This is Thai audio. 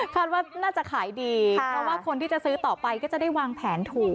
ว่าน่าจะขายดีเพราะว่าคนที่จะซื้อต่อไปก็จะได้วางแผนถูก